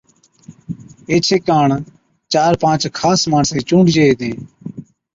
ايڇي ڪاڻ چار پانچ خاص ماڻسين چُونڊجي ھِتين